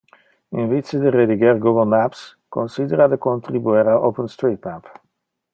In vice de rediger Google Maps, considera de contribuer a OpenStreetMap.